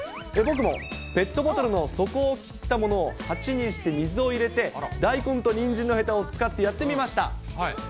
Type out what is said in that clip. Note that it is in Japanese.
僕もペットボトルの底を切ったものを鉢にして水を入れて、大根とニンジンのへたを使ってやってみました。